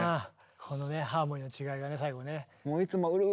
このねハーモニーの違いがね最後ね。